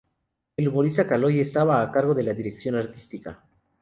El humorista Caloi estaba a cargo de la dirección artística.